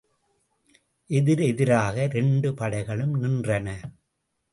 எதிர் எதிராக இரண்டு படைகளும் நின்றன.